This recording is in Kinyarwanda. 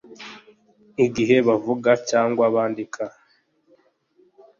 igihe bavuga cyangwa bandika